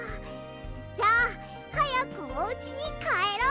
じゃあはやくおうちにかえろう！